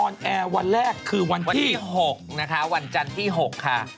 อยากเห็นคุณเอิ๊กเลื้อยไง